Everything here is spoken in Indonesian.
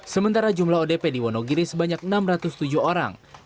sementara jumlah odp di wonogiri sebanyak enam ratus tujuh orang